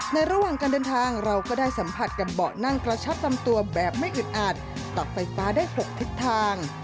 ระหว่างการเดินทางเราก็ได้สัมผัสกับเบาะนั่งกระชับลำตัวแบบไม่อึดอัดตับไฟฟ้าได้๖ทิศทาง